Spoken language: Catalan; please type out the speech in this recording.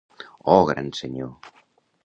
Oh, gran Senyor!